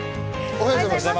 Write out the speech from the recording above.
おはようございます。